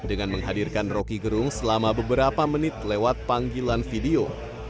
dengan menghadirkan roky gerung selama beberapa menit lewat panggilan video